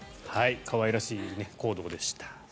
可愛らしい行動でした。